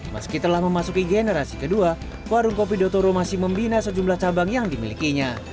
meski telah memasuki generasi kedua warung kopi dotoro masih membina sejumlah cabang yang dimilikinya